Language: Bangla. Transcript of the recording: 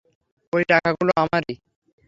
ঐ টাকাগুলো আমারই।